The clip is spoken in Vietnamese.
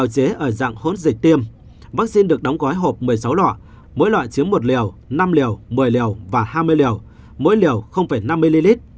chế ở dạng hỗn dịch tiêm vaccine được đóng gói hộp một mươi sáu lọ mỗi loại chứa một liều năm liều một mươi liều và hai mươi liều mỗi liều năm ml